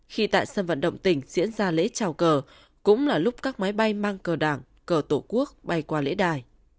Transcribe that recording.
khi tại sân vận động tỉnh diễn ra lễ trào cờ cũng là lúc các máy bay mang cờ đảng cờ tổ quốc bay qua lễ đài